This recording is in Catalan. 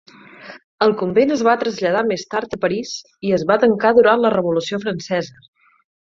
El convent es va traslladar més tard a París i es va tancar durant la Revolució Francesa.